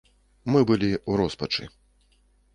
Мы былі ў роспачы.